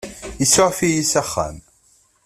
Isuɛef-iyi s axxam.